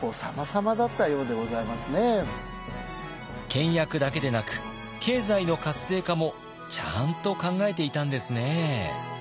倹約だけでなく経済の活性化もちゃんと考えていたんですね。